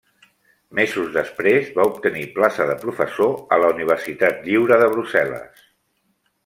Mesos després va obtenir plaça de professor a la Universitat Lliure de Brussel·les.